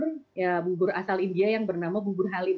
itu adalah bubur asal india yang bernama bubur halim